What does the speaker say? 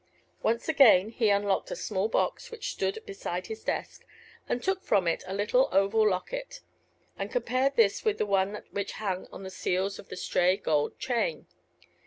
Once again he unlocked a small box which stood beside his desk, and took from it a little oval locket, and compared this with one which hung with the seals on the stray gold chain.